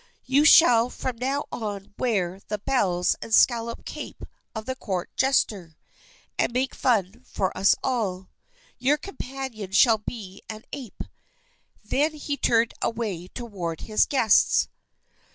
You shall from now on wear the bells and scalloped cape of the court jester, and make fun for us all. Your companion shall be an ape." Then he turned away toward his guests.